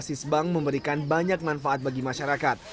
basis bank memberikan banyak manfaat bagi masyarakat